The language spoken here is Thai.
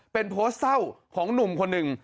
เป็นโพสต์เศร้าของหนุ่มคนหนึ่ง